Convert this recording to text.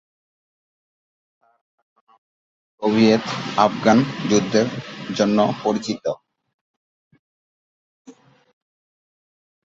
তার শাসনামল সোভিয়েত-আফগান যুদ্ধের জন্য পরিচিত।